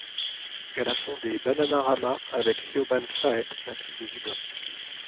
Elle a fondé Bananarama avec Siobhan Fahey native de Dublin.